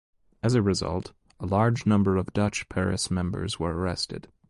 As a result, a large number of Dutch-Paris members were arrested.